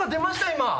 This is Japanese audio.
今！